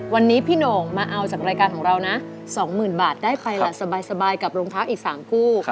วันนี้พี่โหน่งมาเอาจากรายการของเรานะ๒๐๐๐บาทได้ไปแหละสบายกับโรงพักอีก๓คู่